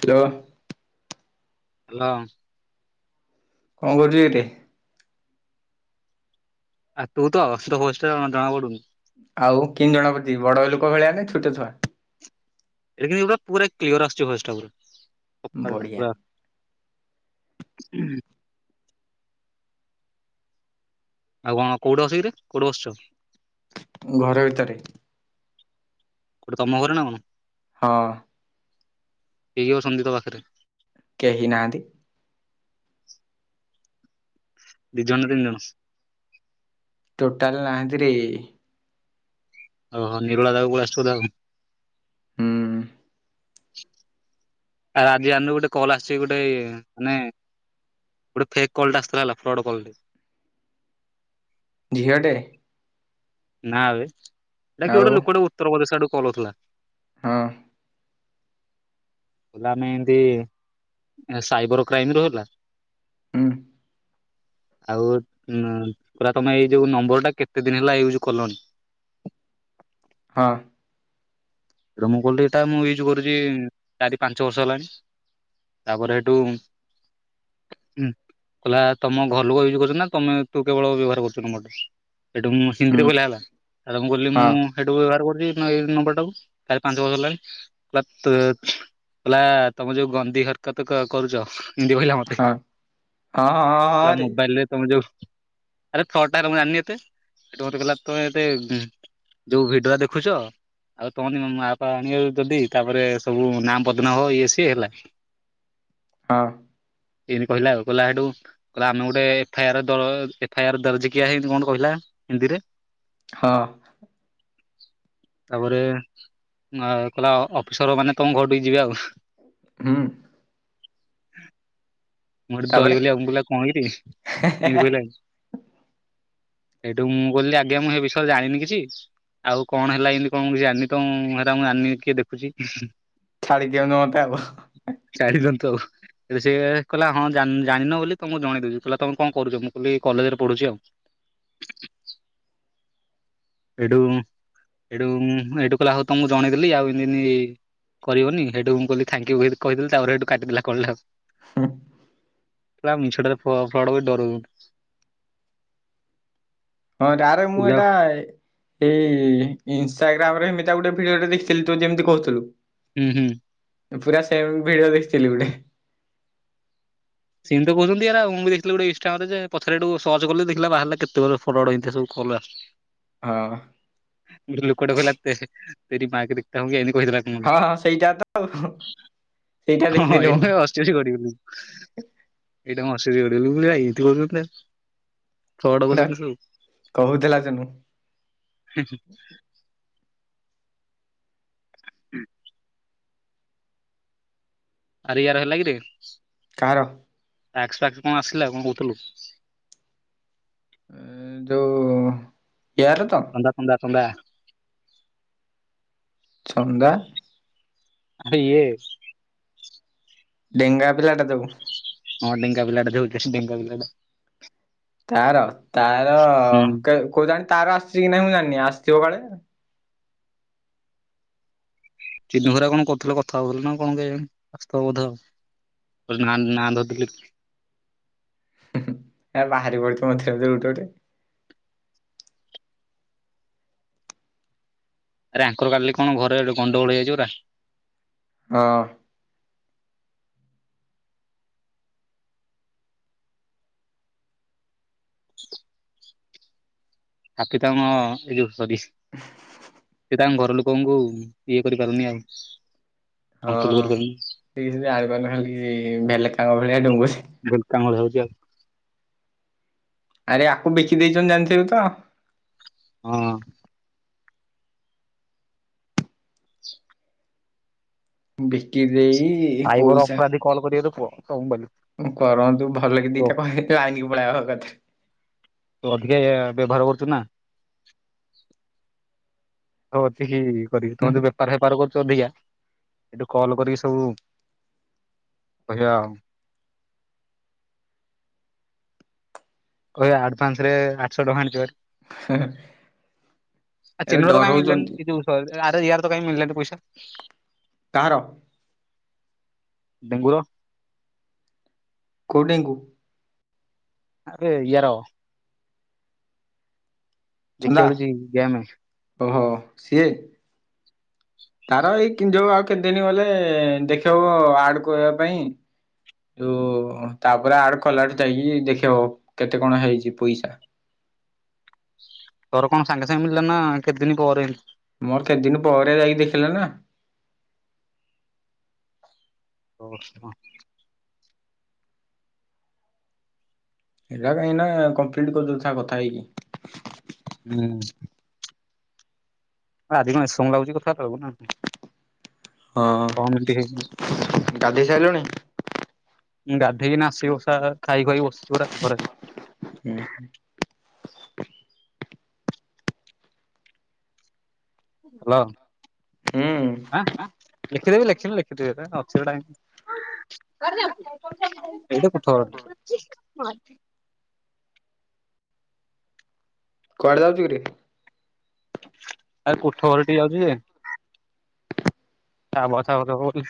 Hello. Hello. କଣ କରୁଛି କେତେ? ଆ ତୁ ତ ତ ହୋଷ୍ଟେଲ ଜଣା ପଡ଼ୁନି। ଆଉ କିନି ଜଣାପଡୁଛି ବଡ ଲୋକ ଭଳିଆ ନା ଛୋଟ ଛୁଆ? ଏଇ କି ପୁରା କ୍ଲିୟର ଆସୁଛି ଭୟସ ଟା। ବଢିଆ। ହୁଁ। ଆଉ କଣ କୋଉଠି ଅଛୁକିରେ କୋଉଠି ବସିଛୁ? ଘର ଭିତରେ। ଗୋଟେ ତମ ଘର ନା କଣ? ହଁ। ଦେଇଅଛନ୍ତି ତୋ ପାଖରେ? କେହି ନାହାନ୍ତି। ଦିଇ ଜଣ ନା ତିନି ଜଣ। ଟୋଟାଲ ନାହାନ୍ତି ରେ। ଓହୋ ନିରଳା ଜାଗାକୁ ଅଶିଚୁ ଆଉ। ହୁଁ। ଆ ରାଜ [inaudible] ଗୋଟେ କଲ ଆସଛି ଗୋଟେଇ ମାନେ ଗୋଟେ ଫେକ୍ କଲ ଟା ଆସିଥିଲା ହେଲା ଫ୍ରଡ କଲ। ଝିଅଟେ? ନା ବେ ଏଟା ଆଉ ଗୋଟେ ଲୋକଟେ ଉତ୍ତରପ୍ରଦେଶ ଆଡୁକୁ କରୁଥିଲା। ହଁ। ହେଲା ଆମେ ଏମତି ସାଇବର କ୍ରାଇମ ରରେ ହେଲା। ହୁଁ। ଆଉ ପୁରା ତମେ ଏଇ ଯୋଉ ନମ୍ବର ଟା କେତେ ଦିନ ହେଲା ଯୁଜୁ କଲନ୍ ହଁ। ରୋମ କୋଲ ଏଇଟା ମୁଁ ୟୁଜ କରୁଛି ଚାରି ପାଞ୍ଚ ବର୍ଷ ହେଲାଣି। ତାପରେ ହେଟୁ ହୁଁ କହିଲ ତମ ଘର ଲୋକ ୟୁଜ କରୁଛ ନା ତମେ ତୁ କେବଳ ବ୍ୟବହାର କରୁଛୁ ମୋଟ ସେଠୁ ମୁଁ ହୁଁ ହିନ୍ଦିରେ କହିଲ ହେଲା ମୁଁ କହିଲି ହଁ ମୁଁ ସେଇଠୁ ବ୍ୟବହାର କରୁଛି ଏଇ ନମ୍ବର ଟା କୁ। କାଲି ପାଞ୍ଚ ବର୍ଷଲା ପ ତ ହେଲା ତମେ ଯୋଉ ଗନ୍ଧି ହରକତ କରୁଛ। ଏ କହିଲା ମତେ ହଁ ହଁ ହଁ ହଁ ହେଲା ମୋବାଇଲ ରେ ତମେ ଯୋଉ ଆରେ ଛଅଟା ମୁଁ ଜଣିନି ଏତେଠ ମତେ କଲା ତ ଏତେ ଯୋଉ ଭିଡିରେ ଦେଖୁଛ ଆଉ କହନ ମାମା ମାପା ଆଣିବା ଯଦି ତାପରେ ସବୁ ନାମ ପଦନ ହ ଇଏ ସିଏ ହେଲା। ହଁ। ଏମିତି କହିଲା ଆଉ କହିଲା ସେଠୁ କହିଲା ଆମେ ଗୋଟେ ଏଫଆଇ ଆର ଏଫଆଇ ଆର ଦର୍ଜ କିଆ ଏମିତି ଗୋଟେ କଣ କହିଲା। ହିନ୍ଦୀ ରେ। ହଁ ତାପରେ, କହିଲ ଅଫିସର ମାନେ ତମ ଘର ଟିକ ଯିବେ ଆଉ ହୁଁ ମୁଁ ଏଠେ ତାପରେ ଡରିିବଲି ଆ କହିଲ କଣ କିରି ଏମିତି କହିଲ [unintelligible] [inaudible] ସେଇଠୁ ମୁଁ କହିଲି, ଆଜ୍ଞା, ମୁଁ ସେ ବିଷୟରେ ଜାଣିନି କିଛି, ଆଉ କଣ ହେଲା ଏମିତି କଣ କିଛି ଜାଣିନି ତ ମୁଁ ଆଣିନି, କିଏ ଦେଖୁଛି? ଛାଡ଼ି ଦିଅନ୍ତ ମତେ ଆଉ ସେଏ କହିଲା, ହଁ ଜାଣିନ ବୋଲି ତମକୁ ଜଣେଇ ଦଉଛି, କହିଲା ତମେ କଣ କରୁଛ? ମୁଁ କହିଲି କଲେଜ ରେ ପଢୁଛି ଆଉ ଏଡୁ। ଏଠୁ ଏଇଠୁ କହିଲ ହଉ ତମକୁ ଜଣେଇଦେଲି ଆଉ ଏମତି ଏମିତି କରିବନି, ସେଇଠୁ ମୁଁ କହଲି ଥାଙ୍କ ୟୁ ଯେମିତି କହିଦେଲି, ତାପରେ ସେଇଠୁ କାଟିଦେଲା କଲ ଟାକୁ। ମିଛୁ ଟାରେ ଫର୍ଡ କରି ଡରଉଛନ୍ତି। ହଁ ତାରେ ମୁଁ ଏଇଟା ହୁଁ ଏଇ ଇନଷ୍ଟା। ଗାର୍ମ ରେ ଏମିତି ଗୋଟିଏ ଭିଡିଓ ଦେଖିଥିଲି ତୁ ଯେମିତି କହୁଥିଲୁ। ହୁଁ ହୁଁ। ପୁରା ସେମ ଭିଡିଓ ଦେଖଥିଲି ଗୋଟେ। ସେମିତି ତ କହୁଛନ୍ତି ଏଗୁରା ମୁଁ ବି ଦେଖିଥିଲି ଗୋଟେ ଇନଷ୍ଟାଗ୍ରାମ ରେ ଯେ, ପଛରେ ସେଠୁ ସର୍ଚ କଲି ଦେଖିଲି ବାହାରିଲା କେତେଗୁରେ ଫରୱାର୍ଡ଼ ହେଇ ସବୁ। ଗୋଟେ ହଁ ଲୋକଟେ କହିଲା ତେରି ମା କେ ଦେଖତା ହୁଙ୍ଗୀ। କହିଥିଲା କଣ ହଁ ଗୋଟେ? ହଁ ସେଇଟା ତ ଆଉ ସେଇଟା ହଁ ଦେଖିଥିଲି ମୁଁ ଏଇନା ହସି ହସି ଗଢିଗଲି ଆଉ ଏଇଟା ମୁଁ ହସି ହସି ଗଢିଗଲି ଆଉ ମୁଁ କହିଲି ଏଇଥି ବଜଉଥିଲା। ଛଅଟା ସେଟା ପର୍ଯ୍ୟନ୍ତ କିଏ ଶୁଏ? କହୁଥିଲା ସେନୁ [unintelligible] ଆରେ ୟାର ହେଲା କିରେ? କାହାର? ଟ୍ୟାକ୍ସ ଫ୍ୟାକ୍ସ କଣ ଆସିଲା କଣ କହୁଥିଲୁ? ଯୋଉ କେୟାର ରେ ତ। ଥଣ୍ଡା। ଚନ୍ଦା। ଆୟଏ। ଡେଙ୍ଗା ପିଲାଟା ଦେବୁ। ହଁ ଡେଙ୍ଗା ପିଲାଟା ଯୋଉ ଢେଙ୍କା ପିଲାଟା। ତାର ତାର ହୁଁ କୋଉ ଜାଣି। ତାର ଆସିଛି କି ନାଇଁ ମୁଁ ଜାଣିନି ଆସିଥିବ କାଳେ। ଚିନି ଭରା କଣ କରୁଥିଲା, କଥା ହବ ବୋଲି ନା କଣ କେଜାଣି, ଆସୁଥିବ ବୋଧେ ଆଉ। ନା ନା ଧଦିଲକି। ବାହାରି ପଡିଥିବ ମଝିରେ ଗୋଟେ ଗୋଟେ। ଆରେ ଆଙ୍କର କାଲି କଣ ଘରେ ଗଟେ ଗଣ୍ଡଗୋଳ ହେଇ ଯାଇଛି ପୁରା। ହଁ। ହାପି ତାଙ୍କ ଏଇ ଯୋଉ ସରି। ସେ ତାଙ୍କ ଘର ଲୋକଙ୍କୁ ଇଏ କରିପାରୁନି ଆଉ। ହଁ କଣ୍ଟ୍ରୋଲ ଠିକ, କରିପାରୁନି ସେ କିଛି ଜାଣିପାରୁନି ଖାଲି ବେଲେ କାଙ୍ଗ ଭଳିଆ ଡୁଙ୍ଗୁଛି। ଗଟ କଙ୍ଗଳ ହଉଛି ଆଉ। [unintelligible] ଆରେ ଆକୁ ବିକି ଦେଇଛନ୍ତି ଜାଣିଥିବୁ ତ। ହଁ। ବିକି ଦେଇ ସାଇବର ପଇସା ଅପରାଧୀ କଲ୍ କରିବେ ତ କୁହ ତମ ମୋବାଇଲରୁ କରନ୍ତୁ ଭଲ କି କୁହ ଦିଟା କଣ ହେଇଥିଲେ, ଲାଇନକୁ ପଳେଇବ ଏକାଥରେ। ତୁ ଅଧିକା ବ୍ୟବହାର କରୁଛୁ ନା ହଉ ଏତିକି କରିକି ତମ ତ ବେପାର ହେପାର କର। ଅଧିକା ଏଠୁ କଲ କରିକି ସବୁ କହିବା ଆଉ। କହିବା ଆଡଭାନ୍ସ ରେ ଆଠଶହ ଟଙ୍କା ଆଣିଥିବାରୁ। ଆ ଏରେ ଚିନୁ ର ତ କାଇଁ ମୀଲାନି ଡରଉଛନ୍ତି କିନ୍ତୁ ସରୀ ଆରେ ୟାର। ତ କାଇଁ ମିଳିଲାନି ପଇସା? କାଆର? ଡେଙ୍ଗୁର। କୋଉ ଡେଙ୍ଗୁ? ଆରେ ଇୟାର। ହେଇ ଚନ୍ଦା ଖେଳୁଚ଼ି ଗେମେ। ଓହୋ ସିଏ ତାର ଏଇ କିଂ ଯୋଉ ଆଉ କେତେଦିନ ଗଲେ ଏ ଦେଖେବ ଆଡ୍ କରିଆ ପାଇଁ। ଯୋଉ ତାପରେ ଆଡ୍ କଲାଡୁ ଯାଇକି ଦେଖେବ କେତେ କଣ ହେଇଚ଼ି ପଇସା। ତର କଣ ସାଙ୍ଗେ ସାଙ୍ଗେ ମିଲିଲା ନା କେତ ଦିନି ପରେ? ମୋର କେ ଦିନି ପରେ ଯାଇକି ଦେଖିଇଲା ନା। ଓ ହଁ। ଏଇଟା କାହିଁ ନା କମ୍ପ୍ଲିଟ୍ କ [unintelligible] କଥା ହେଇକି। ଉୁଁ। ଆ ଆଜି କଣ ଏସମୟ ଲାଗୁଚ଼ି କ ଥା ଥବୁନା ହଁ ଛଅ ମିନ୍‌ଟି ହେଇଚ଼ି। ଗାଧେଇ ସାରିଲଣି ମୁଁ ଗାଧେଇକି ନା ଆସିବ ସା ଖାଇ ଖୁଆଇକି ବସିଚିପରା ହୁଁ ଖରାରେ। [inaudible] ଆଲୋ ହୁଁ। ଆଁ ଲେଖିଦେବି ଲେଖିନି ଲେଖିଦେବି ଏଟା ଅ ସେରଟା କାଇଁ, କୁଆଡେ ଯାଉୁଚୁ? ଏଇଟା କୋଠଅର। [unintelligible] କୁଆଡେ ଯାଉଚୁ କିରେ? ଆ ଏ କୋଠ ଘର ଟିକେ ଯାଉଛି ଏ। ତା ବର୍ଷା ଫର୍ଷା ହଉଚ଼ି।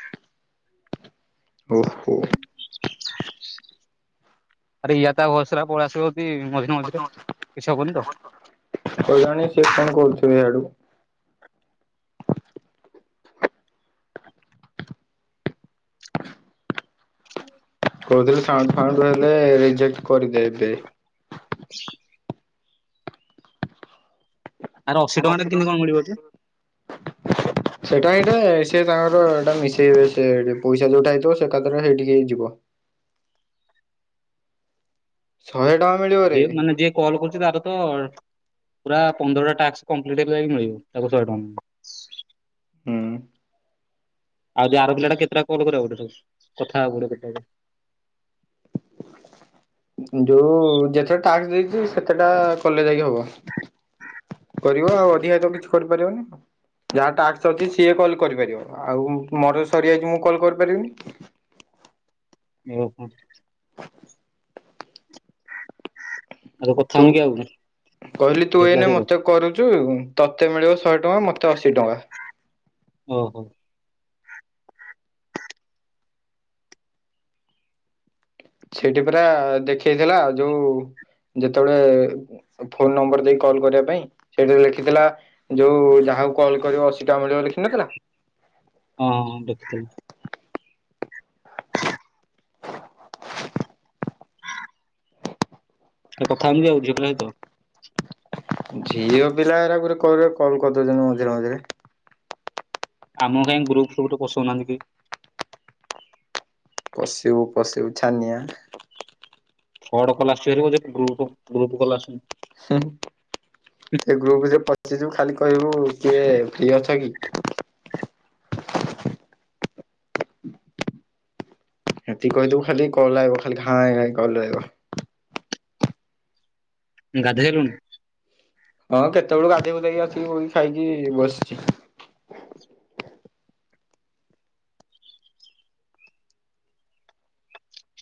ଓ ହୋ। ଆରେ ଇୟା ତା ଘସ୍ ରା ପଳେଇ ଆସିବ କି ମଝିରେ ମଝିରେ କିଛି ହବନି ତ? ହଲାଣି କେତନ କରୁଥିବେ ୟାଡୁ। କହୁଥିଲି ସାଉଣ୍ଡ ଫାଉଣ୍ଡ ହେଲେ ରିଜେକ୍ଟ୍ କରିଦେବେ। [inaudible] ଆରେ ଅଶୀ ଆର ଟଙ୍କାରେ ଅସି ଟଆଁ। କେମିତି କଣ ମିଳିବ ଯେ? [unintelligible] ସେଟା ଏଇଟା ସେ ତାଙ୍କର ଏଟା ମିଶେଇ ବେ ସେ ପଇସା ଯୋଉଟା ହେଇଥିବ ସେ କାଥରେ ସେଇଠିକି ହେଇ ଯିବ। [inaudible] ଶହେ ଟ ଯିଏ ବ୍ ମାନେ ଯିଏ କଲ୍ କରୁଛି ତାର ତ ପୁରା ପନ୍ଦରଟା ଟାସ୍କ୍ କମ୍ପ୍ଲିଟ୍ ହେଇଗଲେ ଯାଇଁକି ମିଳିବ ତାକୁ ଶହେ ଟଙ୍କା। ହୁଁ। ଆଉ ଯେ ଆର ପିଲା ଟା କେତେଟା କଲ କରିବାକୁ ପଡିବ ତାକୁ କଥା ହବ। [unintelligible] ଯୋଉ ଯେତେ ଟାସ୍କ୍ ଦେଇଥିବେ ସେତେଟା କଲେ ଯାଇକି ହବ। କରିବ ଆଉ ଅଧିକାତ କିଛି କରିପାରିବନି? ଯାହା ଟାସ୍କ୍ ଅଛି ସିଏ କଲ କରିପାରିବ ଆଉ ମୋର ସରିଯାଇଛି ମୁଁ କଲ୍ କରିପାରିବିନି। ଉଁ ହୁଁ। ଆଉ କଥା ତୁ ହଉନି କି ଆଉ କହିଲି ତୁ ଝିଅ ପିଲା ଏଇନେ ସହିତ ମତେ କରୁଚୁ ତୋତେ ମିଳିବ ଶହେ ଟଆଁ ମତେ ଅଶୀ ଟଙ୍କା। ଓ ହୋ। ସେଇଠି ପୁରା ଦେଖେଇ ଦେଲା ଯୋଉ ଯେତେବେଳେ ଫୋନ ନମ୍ବର ଦେଇ କଲ୍ କରିବା ପାଇଁ ସେଇଠି ଲେଖିଥିଲା ଯୋଉ ଯା ଆଉ କଲ୍ କରିବ ଅଶୀ ଟଆଁ ମିଳିବ ଲେଖିନଥିଲା। ହଁ ହଁ ଦେଖିଥିଲି ଏ କଥା ହେମି ଯେ ଆଉ ଝିଅ ପିଲାଙ୍କ ସହିତ? ଝିଅ ପିଲା ଏରା ଗୁରେ କର କଲ୍ କରିଦଉଛନ୍ତି ମଝିରେ ମଝିରେ। ଆମକୁ କାଇଁ ଗ୍ରୁପ୍ ଫ୍ରୁପ୍ ରେ ପଶଉନାଆନ୍ତି କେଇ? ପଶିବୁ ପଶିବୁ ଛାନିଆ ସଟ୍ କଲ୍ ଆସୁଚି ବୋଲି ଗ୍ରୁପ୍ ଗ୍ରୁପ୍ କଲ୍ ଆସୁନି। [inaudible] ସେ ଯୋଉ ଖାଲି କହିବୁ କିଏ ଫ୍ରି ଅଛ କି? ଏତିକି କହିଦବୁ ଖାଲି କଲ୍ ଆଇବ ଖାଲି ଘାଇ ଘାଇ କଲ୍ ଆଇବ। ଗାଧେଇଲୁନି? ହଁ କେତେବେଳକୁ ଗାଧୋଇ ଗୁଧେଇକି ଆସିକି ଖାଇକି ବସିଚି।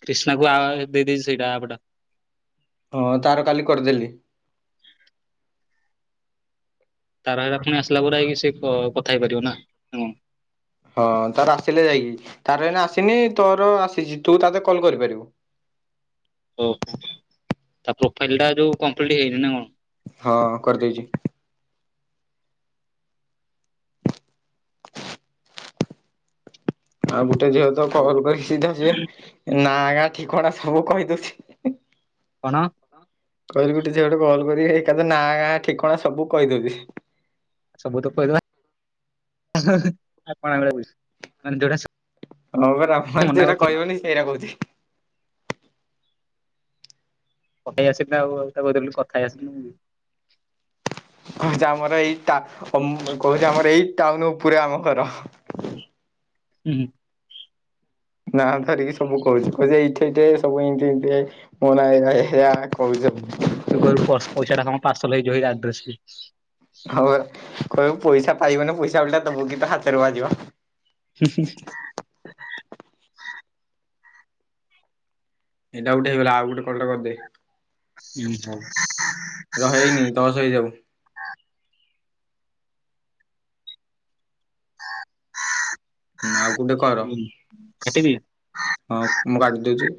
କ୍ରିଷ୍ଣା କୁ ଆ ଦେଇଦେଇଛି ସେଇଟା ଅପ୍ ଟା। ହଁ ତାର କାଲି କରିଦେଲି। ତାର ହେରା ପୁଣି ଆସିଲା ପରେ ହେଇକି ସେ କଥା ହେଇପାରିବ ନା ହଁ। ହଁ ତାର ଆସିଲେ ଯାଇକି ତାର ଏଇନା ଆସିନି ତୋର ଆସିଛି ତୁ ତାକୁ କଲ୍ କରିପାରିବୁ। ଓହୋ ତା ପ୍ରୋଫାଇଲ୍ ଟା ଯୋଉ କମ୍ପ୍ଲିଟ ହେଇନି ନା କଣ? ହଁ କରିଦେଇଛି। [inaudible] ଆଉ ଗୋଟେ ଝିଅତ ଆଉ କଲ୍ କରିକି ସିଧା ସିଏ ନା ନା ଗାଁ ଠିକଣା ସବୁ କହିଦଉଛି। କଣ? କହିଲି ଗୋଟେ ଝିଅ ଗୋଟେ କଲ୍ କରିକି ଏକାଥରେ ନାଁ ଗାଁ ଠିକଣା ସବୁ କହିଦେଉଛି? ସବୁ ତ କହିଦବା ମାଗଣା ପଇସା ମାନେ ଯୋଉରା ସ ହପରା ମାନେ ଯୋଉରା କଇବନି ସେଇରା କୋଉଚି। ପଳେଇ ଆସିଲା ଆଉ ଆଉ ତାକୁ କହିଦେଲି କଥା ହେଇ ଆସିଲି ମୁ ଉ ଯାଉ ହୁ ହୁଁ। ନା ଧରିକି ସବୁ କହୁଚି କଉଚି ଏଇଠେ ଏଇଠେ ସବୁ ଏମତି ଏମତି ମୋନା ଏଇଆ ଏଇଆ। କହୁଛି ସବୁ। ତୁ କଇବୁ ପ୍ରସ ପଇସା ଟା କଣ ପାର୍ସଲ ହେଇଯିବକି ଆଡ୍ରେସରେ ହଉ କହିବୁ ପଇସା ପାଇବନି ପଇସା ଓଲଟା ଦବୁ କି ତ ହାତରୁ ବାଜିବ। ହୁ ଏଇଟା ଗୋଟେ ହେଇଗଲା ଆଉ ଗୋଟେ କଲ୍ ଟେ କରି ଦେ। ହୁ ହୋଉ। ରହେ [inaudible] ହୁଁ ଆଉ ଗୋଟେ କର କାଟିବି? ହଁ ମୁଁ କାଟି ଦଉଚି।